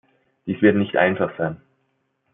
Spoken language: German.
Dies wird nicht einfach sein.